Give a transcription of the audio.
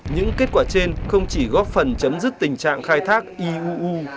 những kết quả trên không chỉ góp phần chấm dứt tình trạng khai thác iuu